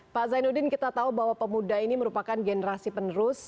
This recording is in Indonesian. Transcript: pak zainuddin kita tahu bahwa pemuda ini merupakan generasi penerus